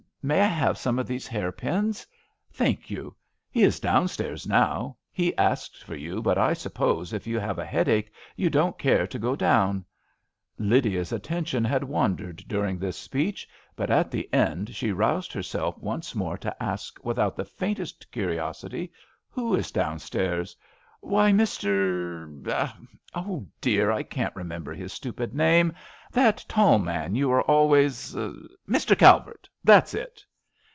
May I have some of these hairpins ? Thank you. He is downstairs now. He asked for you, but I suppose if you have a headache you won't care to go down." Lydia's attention had wandered during this speech; but at the end she roused herself once more to ask, without the faintest A RAINY DAY. I49 curiosity: "Who is down stairs ?"" Why, Mr, Oh, dear I I can't remember his stupid name. That tall man you are always Mr. Calvert ; that's it